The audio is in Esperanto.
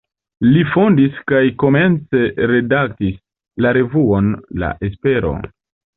Li fondis kaj komence redaktis la revuon "La Espero".